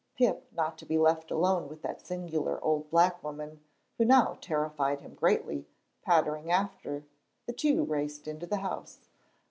Pip, not to be left alone with that singular old black woman, who now terrified him greatly, pattering after, the two raced into the house.